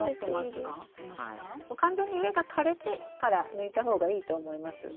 完全に上が枯れてから抜いた方がいいと思います。